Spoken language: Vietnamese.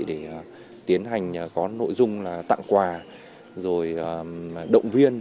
để tiến hành có nội dung là tặng quà rồi động viên